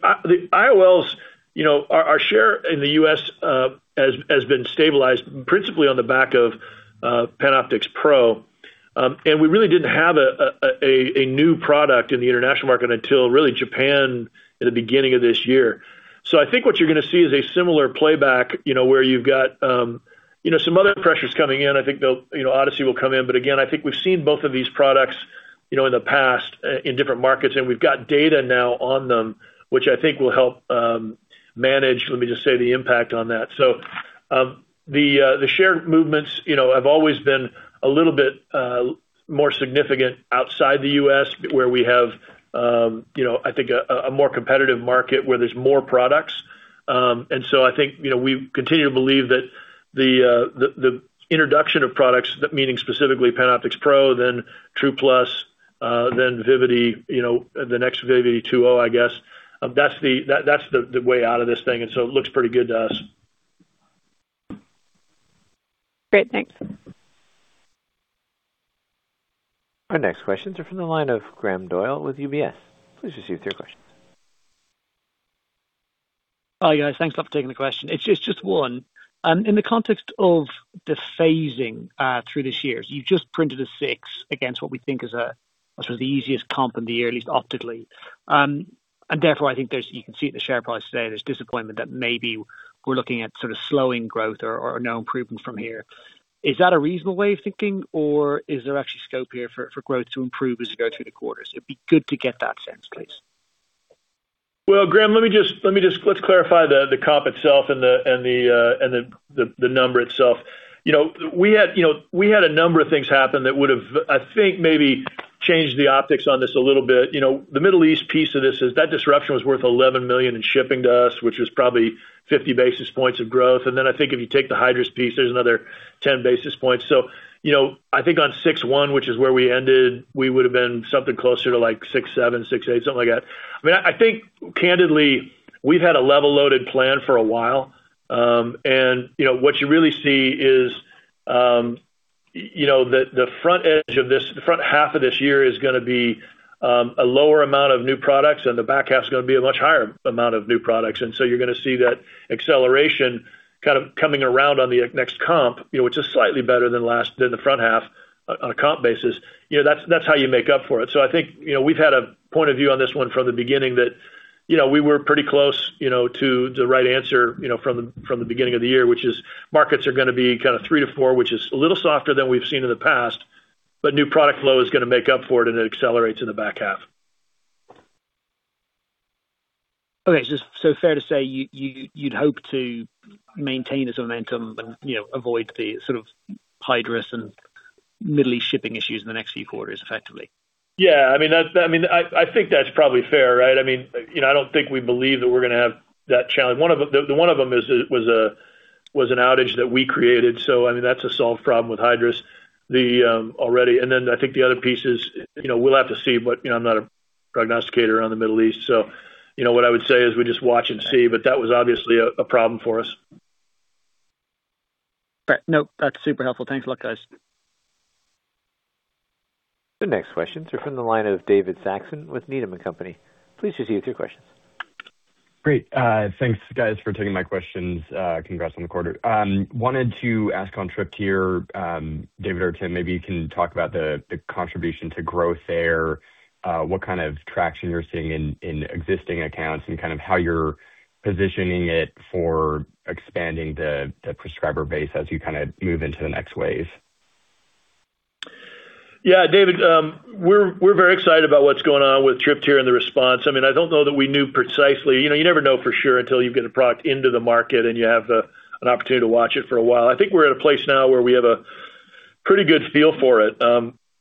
IOLs, you know, our share in the U.S. has been stabilized principally on the back of PanOptix Pro. We really didn't have a new product in the international market until really Japan at the beginning of this year. I think what you're gonna see is a similar playback, you know, where you've got, you know, some other pressures coming in. I think they'll, you know, Odyssey will come in. Again, I think we've seen both of these products, you know, in the past, in different markets, and we've got data now on them, which I think will help manage, let me just say, the impact on that. The share movements, you know, have always been a little bit more significant outside the US, where we have, you know, I think a more competitive market where there's more products. I think, you know, we continue to believe that the introduction of products, meaning specifically PanOptix Pro, then TruPlus, then Vivity, you know, the next Vivity 2.0, I guess, that's the way out of this thing, and so it looks pretty good to us. Great. Thanks. Our next questions are from the line of Graham Doyle with UBS. Please proceed with your questions. Hi, guys. Thanks a lot for taking the question. It's just one. In the context of the phasing through this year, you just printed a six against what we think is sort of the easiest comp in the year, at least optically. Therefore, I think there's, you can see it in the share price today, there's disappointment that maybe we're looking at sort of slowing growth or no improvement from here. Is that a reasonable way of thinking, or is there actually scope here for growth to improve as you go through the quarters? It'd be good to get that sense, please. Well, Graham, let's clarify the comp itself and the number itself. You know, we had a number of things happen that would've, I think, maybe changed the optics on this a little bit. You know, the Middle East piece of this is that disruption was worth $11 million in shipping to us, which was probably 50 basis points of growth. Then I think if you take the Hydrus piece, there's another 10 basis points. You know, I think on six-one, which is where we ended, we would have been something closer to like six-seven, six-eight, something like that. I mean, I think candidly, we've had a level-loaded plan for a while. You know, what you really see is, you know, the front edge of this, the front half of this year is gonna be a lower amount of new products, and the back half is gonna be a much higher amount of new products. You're gonna see that acceleration kind of coming around on the next comp, you know, which is slightly better than last, than the front half on a comp basis. You know, that's how you make up for it. I think, you know, we've had a point of view on this one from the beginning that, you know, we were pretty close, you know, to the right answer, you know, from the beginning of the year, which is markets are gonna be kind of 3% to 4%, which is a little softer than we've seen in the past, but new product flow is gonna make up for it and it accelerates in the back half. Okay. fair to say you'd hope to maintain this momentum and, you know, avoid the sort of Hydrus and Middle East shipping issues in the next few quarters effectively? Yeah. I mean, that's, I mean, I think that's probably fair, right? I mean, you know, I don't think we believe that we're gonna have that challenge. One of them is, was an outage that we created. I mean, that's a solved problem with Hydrus. The already. I think the other piece is, you know, we'll have to see, but, you know, I'm not a prognosticator on the Middle East. You know, what I would say is we just watch and see, but that was obviously a problem for us. Great. Nope, that's super helpful. Thanks a lot, guys. The next questions are from the line of David Saxon with Needham & Company. Please proceed with your questions. Great. thanks guys for taking my questions. congrats on the quarter. wanted to ask on TRYPTYR, David or Tim, maybe you can talk about the contribution to growth there, what kind of traction you're seeing in existing accounts and kind of how you're positioning it for expanding the prescriber base as you kinda move into the next phase. David, we're very excited about what's going on with TRYPTYR and the response. I mean, I don't know that we knew precisely. You know, you never know for sure until you get a product into the market and you have an opportunity to watch it for a while. I think we're at a place now where we have a pretty good feel for it.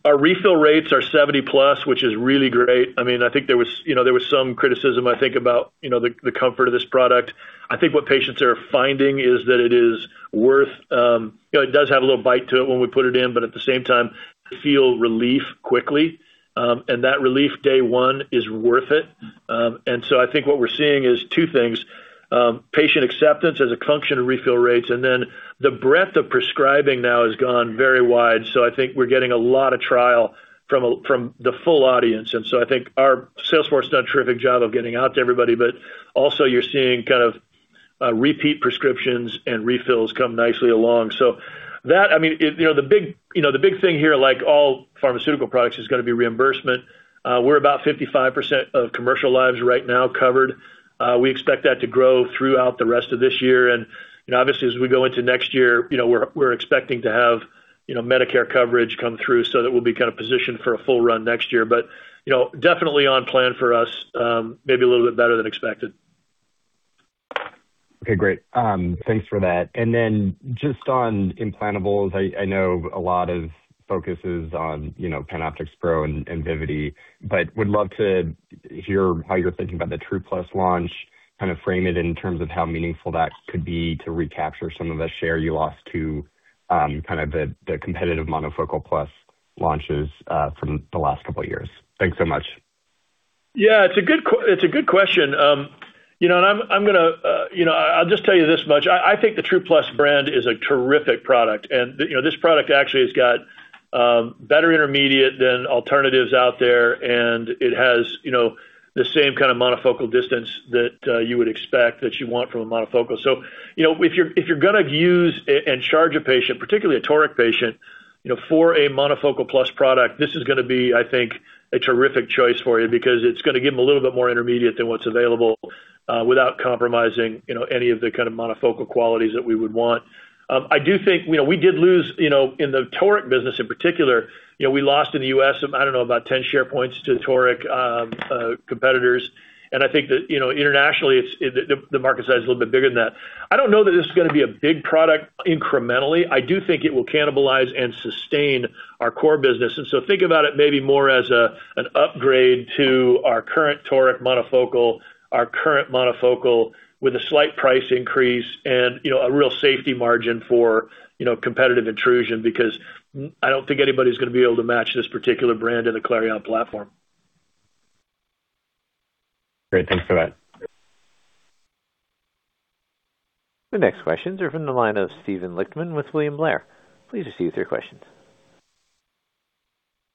Our refill rates are 70+, which is really great. I mean, I think there was, you know, there was some criticism, I think, about, you know, the comfort of this product. I think what patients are finding is that it is worth, you know, it does have a little bite to it when we put it in, but at the same time, feel relief quickly. That relief day one is worth it. I think what we're seeing is two things, patient acceptance as a function of refill rates, and then the breadth of prescribing now has gone very wide. I think we're getting a lot of trial from a, from the full audience. I think our sales force has done a terrific job of getting out to everybody. Also you're seeing kind of, repeat prescriptions and refills come nicely along. That, I mean, the big thing here, like all pharmaceutical products, is gonna be reimbursement. We're about 55% of commercial lives right now covered. We expect that to grow throughout the rest of this year. You know, obviously, as we go into next year, you know, we're expecting to have, you know, Medicare coverage come through, so that we'll be kind of positioned for a full run next year. You know, definitely on plan for us, maybe a little bit better than expected. Okay, great. Thanks for that. Just on implantables, I know a lot of focus is on, you know, PanOptix Pro and Vivity, but would love to hear how you're thinking about the TruPlus launch, kind of frame it in terms of how meaningful that could be to recapture some of the share you lost to kind of the competitive monofocal plus launches from the last couple of years. Thanks so much. Yeah, it's a good question. You know, I'm gonna, you know, I'll just tell you this much. I think the TruPlus brand is a terrific product. You know, this product actually has got better intermediate than alternatives out there, and it has, you know, the same kind of monofocal distance that you would expect that you want from a monofocal. You know, if you're, if you're gonna use a, and charge a patient, particularly a toric patient, you know, for a monofocal plus product, this is gonna be, I think, a terrific choice for you because it's gonna give them a little bit more intermediate than what's available without compromising, you know, any of the kind of monofocal qualities that we would want. I do think, you know, we did lose, you know, in the toric business in particular, you know, we lost in the U.S., I don't know, about 10 share points to toric competitors. I think that, you know, internationally, the market size is a little bit bigger than that. I don't know that this is gonna be a big product incrementally. I do think it will cannibalize and sustain our core business. Think about it maybe more as an upgrade to our current toric monofocal, our current monofocal with a slight price increase and, you know, a real safety margin for, you know, competitive intrusion because I don't think anybody's gonna be able to match this particular brand in the Clareon platform. Great. Thanks for that. The next questions are from the line of Steven Lichtman with William Blair. Please proceed with your questions.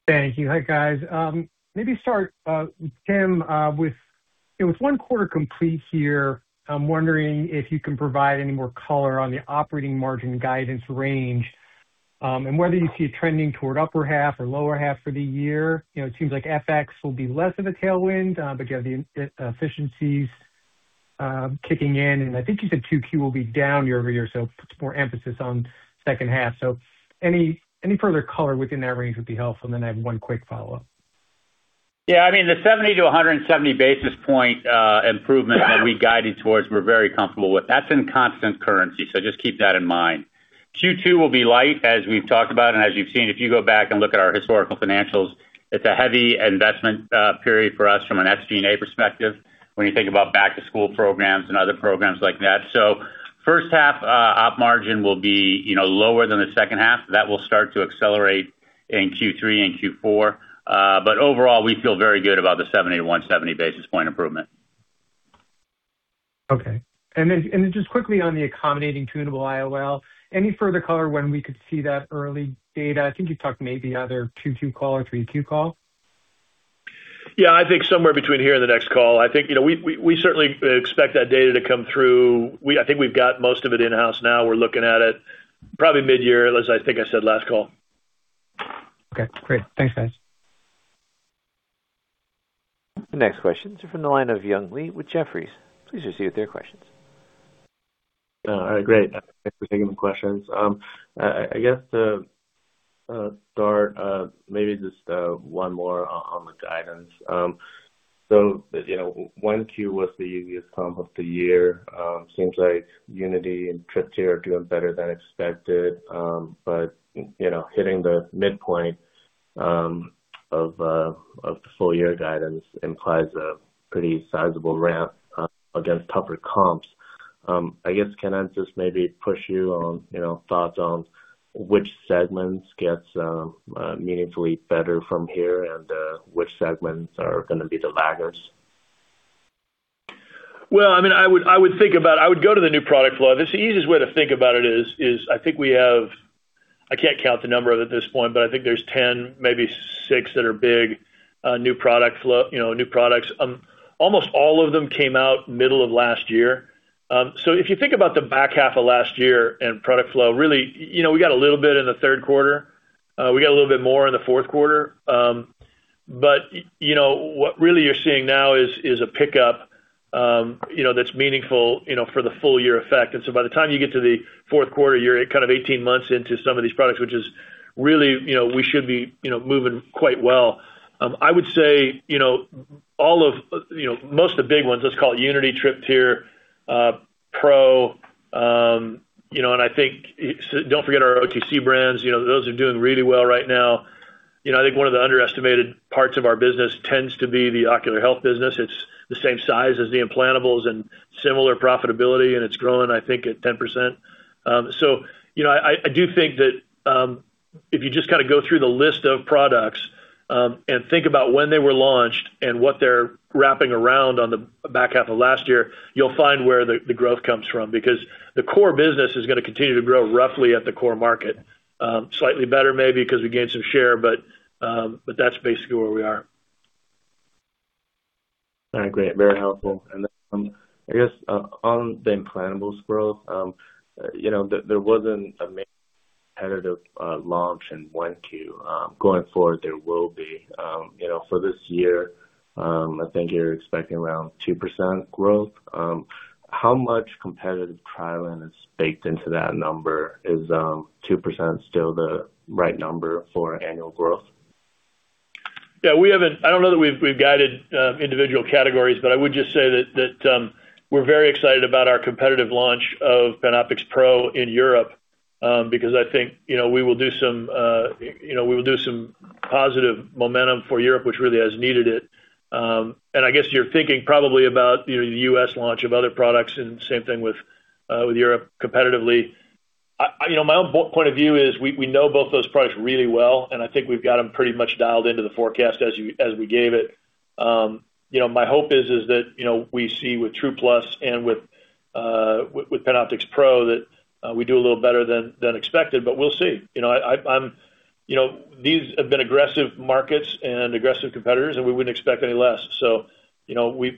Thank you. Hi, guys. Maybe start, Tim, with, you know, with one quarter complete here, I'm wondering if you can provide any more color on the operating margin guidance range, and whether you see it trending toward upper half or lower half for the year. You know, it seems like FX will be less of a tailwind because the efficiencies kicking in, and I think you said 2Q will be down year-over-year, so puts more emphasis on second half. Any further color within that range would be helpful. I have one quick follow-up. Yeah, I mean, the 70-170 basis point improvement that we guided towards, we're very comfortable with. That's in constant currency, just keep that in mind. Q2 will be light as we've talked about and as you've seen. If you go back and look at our historical financials, it's a heavy investment period for us from an SG&A perspective when you think about back-to-school programs and other programs like that. First half op margin will be, you know, lower than the second half. That will start to accelerate in Q3 and Q4. Overall, we feel very good about the 70-170 basis point improvement. Okay. Then just quickly on the accommodating tunable IOL, any further color when we could see that early data? I think you talked maybe either Q2 call or Q3 call. Yeah, I think somewhere between here and the next call. I think, you know, we certainly expect that data to come through. I think we've got most of it in-house now. We're looking at it probably mid-year, as I think I said last call. Okay, great. Thanks, guys. The next questions are from the line of Young Li with Jefferies. Please proceed with your questions. Great. Thanks for taking the questions. I guess to start, maybe just one more on the guidance. You know, 1Q was the easiest comp of the year. Seems like UNITY and TRYPTYR are doing better than expected. You know, hitting the midpoint of the full year guidance implies a pretty sizable ramp against tougher comps. I guess can I just maybe push you on, you know, thoughts on which segments gets meaningfully better from here and which segments are going to be the laggards? Well, I mean, I would go to the new product flow. The easiest way to think about it is I think I can't count the number of it at this point, but I think there's 10, maybe six that are big, new product flow, you know, new products. Almost all of them came out middle of last year. If you think about the back half of last year and product flow, really, you know, we got a little bit in the third quarter. We got a little bit more in the fourth quarter. You know, what really you're seeing now is a pickup, you know, that's meaningful, you know, for the full year effect. So by the time you get to the fourth quarter, you're kind of 18 months into some of these products, which is really, you know, we should be, you know, moving quite well. I would say, you know, most of the big ones, let's call it UNITY, TRYPTYR, Pro, you know, and I think don't forget our OTC brands. You know, those are doing really well right now. You know, I think one of the underestimated parts of our business tends to be the ocular health business. It's the same size as the implantables and similar profitability, and it's growing, I think, at 10%. You know, I do think that if you just kind of go through the list of products and think about when they were launched and what they're wrapping around on the back half of last year, you'll find where the growth comes from. The core business is gonna continue to grow roughly at the core market. Slightly better maybe 'cause we gained some share, but that's basically where we are. All right. Great. Very helpful. I guess on the implantables growth, you know, there wasn't a competitive launch in 1Q. Going forward, there will be. You know, for this year, I think you're expecting around 2% growth. How much competitive trialing is baked into that number? Is 2% still the right number for annual growth? Yeah, I don't know that we've guided individual categories, I would just say that we're very excited about our competitive launch of PanOptix Pro in Europe, because I think, you know, we will do some, you know, we will do some positive momentum for Europe, which really has needed it. I guess you're thinking probably about, you know, the U.S. launch of other products and same thing with Europe competitively. You know, my own point of view is we know both those products really well, and I think we've got them pretty much dialed into the forecast as we gave it. You know, my hope is that, you know, we see with TruPlus and with PanOptix Pro that we do a little better than expected, but we'll see. You know, I'm You know, these have been aggressive markets and aggressive competitors, and we wouldn't expect any less. You know, we,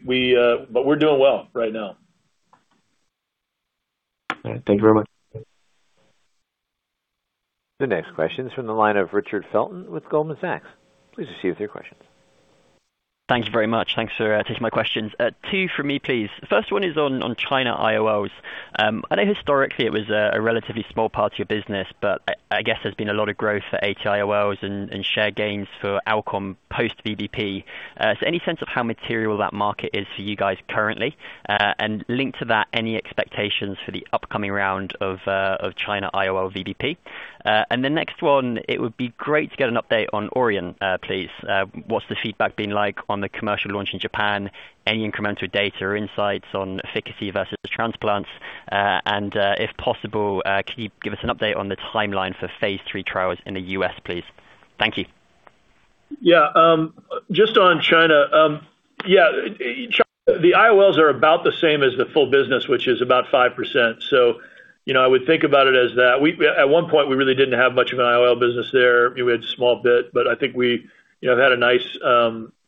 but we're doing well right now. All right. Thank you very much. The next question is from the line of Richard Felton with Goldman Sachs. Please proceed with your question. Thank you very much. Thanks for taking my questions. Two for me, please. The first one is on China IOL's. I know historically it was a relatively small part of your business, but I guess there's been a lot of growth for AT IOLs and share gains for Alcon post-VBP. Any sense of how material that market is for you guys currently? Linked to that, any expectations for the upcoming round of China IOL VBP? The next one, it would be great to get an update on Aurion, please. What's the feedback been like on the commercial launch in Japan? Any incremental data or insights on efficacy versus transplants? If possible, could you give us an update on the timeline for phase III trials in the U.S., please? Thank you. Just on China, the IOLs are about the same as the full business, which is about 5%. You know, I would think about it as that. At one point, we really didn't have much of an IOL business there. We had a small bit, but I think we, you know, have had a nice,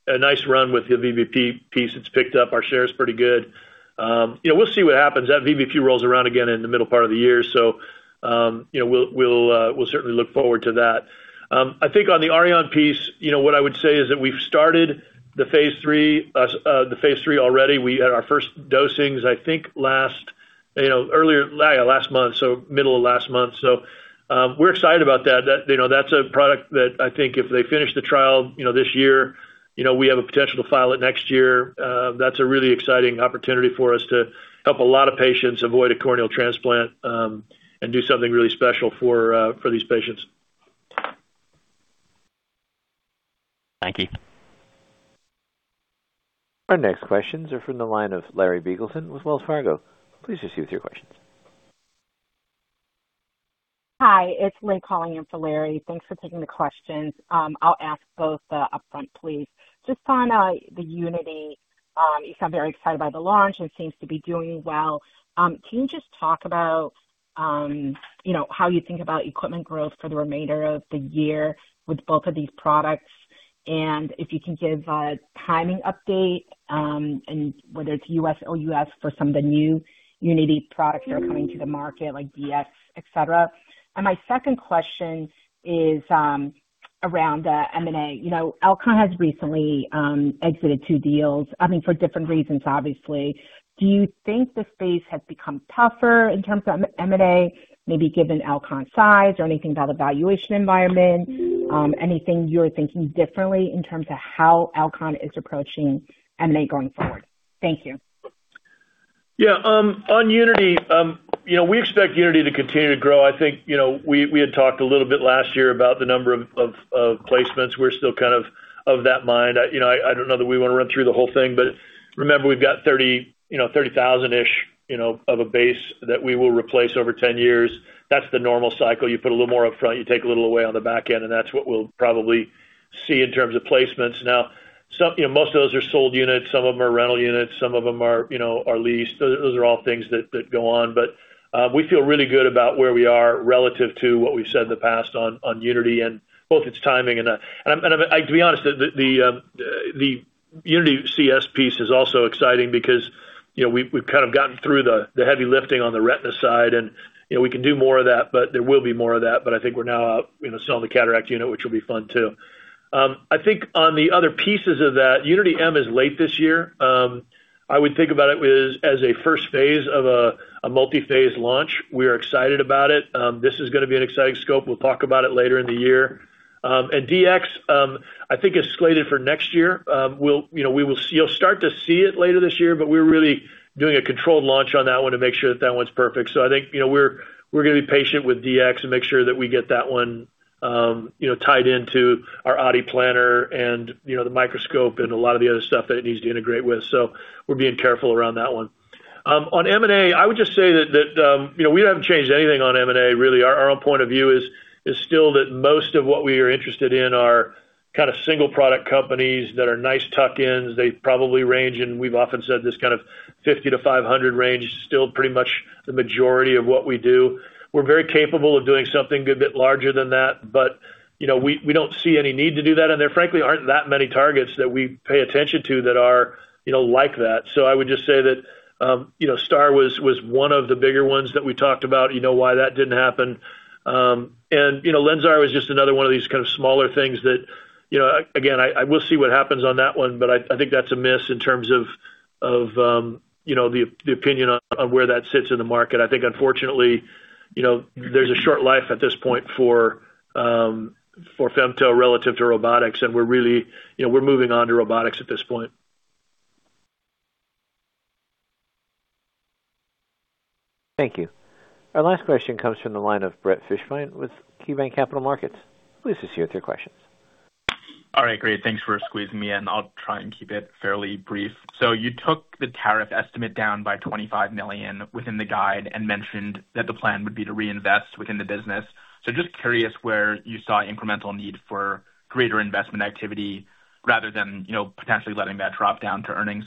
a nice run with the VBP piece. It's picked up. Our share is pretty good. You know, we'll see what happens. That VBP rolls around again in the middle part of the year. You know, we'll certainly look forward to that. I think on the Aurion piece, you know, what I would say is that we've started the phase III already. We had our first dosings, I think last, you know, last month, so middle of last month. We're excited about that. That, you know, that's a product that I think if they finish the trial, you know, this year, you know, we have a potential to file it next year. That's a really exciting opportunity for us to help a lot of patients avoid a corneal transplant and do something really special for these patients. Thank you. Our next questions are from the line of Larry Biegelsen with Wells Fargo. Please proceed with your questions. Hi, it's Lynn calling in for Larry. Thanks for taking the questions. I'll ask both upfront, please. Just on the UNITY, you sound very excited by the launch and seems to be doing well. Can you just talk about, you know, how you think about equipment growth for the remainder of the year with both of these products? If you can give a timing update, and whether it's U.S. or U.S. for some of the new UNITY products that are coming to the market, like DX, et cetera. My second question is around the M&A. You know, Alcon has recently exited two deals, I mean, for different reasons, obviously. Do you think the space has become tougher in terms of M&A, maybe given Alcon size or anything about the valuation environment? Anything you're thinking differently in terms of how Alcon is approaching M&A going forward? Thank you. On UNITY, you know, we expect UNITY to continue to grow. I think, you know, we had talked a little bit last year about the number of placements. We're still kind of that mind. I, you know, I don't know that we wanna run through the whole thing, but remember, we've got 30, you know, 30,000-ish, you know, of a base that we will replace over 10 years. That's the normal cycle. You put a little more upfront, you take a little away on the back end, that's what we'll probably see in terms of placements. You know, most of those are sold units, some of them are rental units, some of them are, you know, are leased. Those are all things that go on. We feel really good about where we are relative to what we've said in the past on UNITY and both its timing. To be honest, the UNITY CS piece is also exciting because, you know, we've kind of gotten through the heavy lifting on the retina side and, you know, we can do more of that, but there will be more of that. I think we're now, you know, selling the cataract unit, which will be fun too. I think on the other pieces of that, UNITY M is late this year. I would think about it as a first phase of a multi-phase launch. We're excited about it. This is gonna be an exciting scope. We'll talk about it later in the year. And DX, I think is slated for next year. You'll start to see it later this year, we're really doing a controlled launch on that one to make sure that that one's perfect. I think, you know, we're gonna be patient with DX and make sure that we get that one, you know, tied into our OD planner and, you know, the microscope and a lot of the other stuff that it needs to integrate with. We're being careful around that one. On M&A, I would just say that, you know, we haven't changed anything on M&A, really. Our own point of view is still that most of what we are interested in are kind of single product companies that are nice tuck-ins. They probably range in, we've often said this kind of 50 to 500 range is still pretty much the majority of what we do. We're very capable of doing something a bit larger than that. You know, we don't see any need to do that, and there frankly aren't that many targets that we pay attention to that are, you know, like that. I would just say that, you know, STAAR Surgical was one of the bigger ones that we talked about, you know, why that didn't happen. You know, LENSAR was just another one of these kind of smaller things that, you know, again, I will see what happens on that one, but I think that's a miss in terms of, you know, the opinion on where that sits in the market. I think unfortunately, you know, there's a short life at this point for for femto relative to robotics, and we're really, you know, we're moving on to robotics at this point. Thank you. Our last question comes from the line of Brett Fishbin with KeyBanc Capital Markets. Please proceed with your questions. All right, great. Thanks for squeezing me in. I'll try and keep it fairly brief. You took the tariff estimate down by $25 million within the guide and mentioned that the plan would be to reinvest within the business. Just curious where you saw incremental need for greater investment activity rather than, you know, potentially letting that drop down to earnings.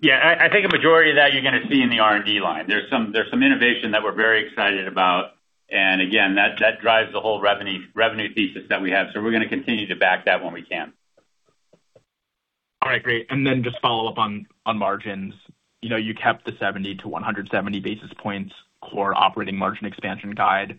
Yeah. I think a majority of that you're gonna see in the R&D line. There's some innovation that we're very excited about, and again, that drives the whole revenue thesis that we have. We're gonna continue to back that when we can. All right, great. Just follow up on margins. You know, you kept the 70 to 170 basis points core operating margin expansion guide.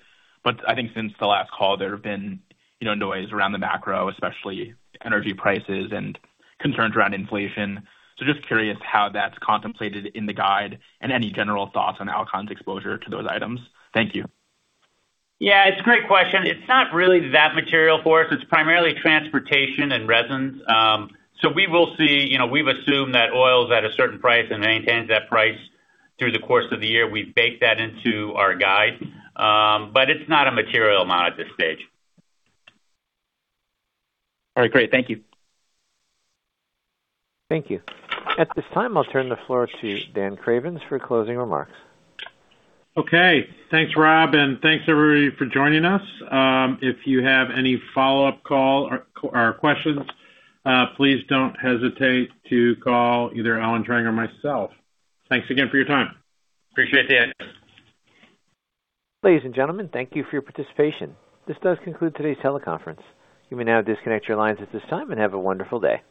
I think since the last call, there's have been, you know, noise around the macro, especially energy prices and concerns around inflation. Just curious how that's contemplated in the guide and any general thoughts on Alcon's exposure to those items. Thank you. Yeah, it's a great question. It's not really that material for us. It's primarily transportation and resins. We will see. You know, we've assumed that oil's at a certain price and maintains that price through the course of the year. We've baked that into our guide. It's not a material amount at this stage. All right, great. Thank you. Thank you. At this time, I'll turn the floor to Daniel Cravens for closing remarks. Okay. Thanks, Rob, and thanks everybody for joining us. If you have any follow-up call or questions, please don't hesitate to call either Allen Trang or myself. Thanks again for your time. Appreciate it, Dan. Ladies and gentlemen, thank you for your participation. This does conclude today's teleconference. You may now disconnect your lines at this time, and have a wonderful day.